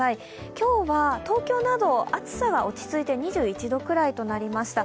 今日は東京など暑さは落ち着いて２１度くらいとなりました。